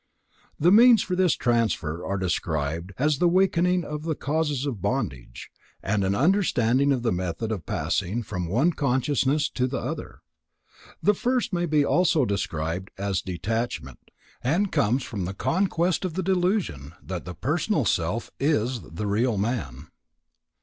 The means for this transfer are described as the weakening of the causes of bondage, and an understanding of the method of passing from the one consciousness to the other. The first may also be described as detach meet, and comes from the conquest of the delusion that the personal self is the real man.